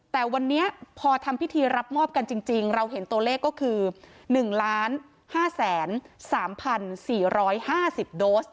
แต่วันนี้พอทำพิธีรับมอบกันจริงเราเห็นตัวเลขก็คือ๑๕๓๔๕๐โดส